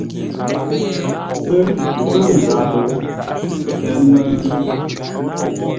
Pə́ pə̂ nzáp, ə́ mə́ mbíŋ: